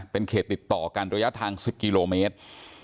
เป็นเขตติดต่อกันระยะทาง๑๐กิโลเมตร